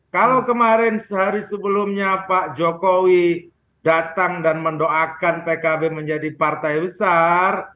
kalau kemarin sehari sebelumnya pak jokowi datang dan mendoakan pkb menjadi partai besar